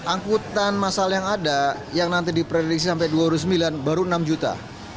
angkutan masal yang ada yang nanti diprediksi sampai dua ribu sembilan baru enam juta